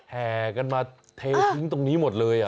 แห่กันมาเททิ้งตรงนี้หมดเลย